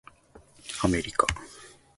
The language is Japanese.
アメリカ